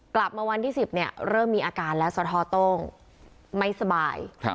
กลับมาวันที่๑๐เนี่ยเริ่มมีอาการแล้วสะท้อโต้งไม่สบาย